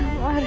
ya allah sya